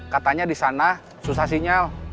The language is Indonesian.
katanya di sana susah sinyal